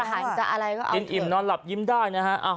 กินอิ่มนอนหลับยิ้มได้นะฮะ